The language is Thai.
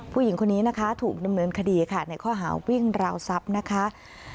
ผู้หญิงคนนี้นะคะถูกดำเนินคดีค่ะในข้อหาวิ่งราวทรัพย์นะคะ